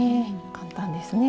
簡単ですね。